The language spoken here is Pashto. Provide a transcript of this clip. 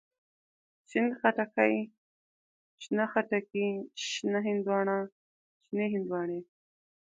شين خټکی، شنه خټکي، شنه هندواڼه، شنې هندواڼی.